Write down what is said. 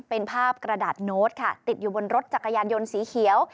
เป็นภาพกระดาษโน้ตค่ะติดอยู่บนรถจักรยานยนต์สีเขียว